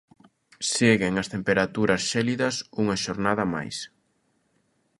Seguen as temperaturas xélidas unha xornada máis.